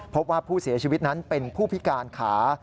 พบว่าผู้เสียชีวิตนั้นเป็นผู้พิการขา